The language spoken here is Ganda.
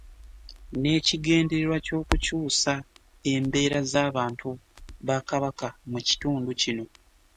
N'ekigendererwa ky'okukyusa embeera z'abantu ba Kabaka mu kitundu kino.